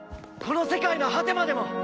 この世界の果てまでも！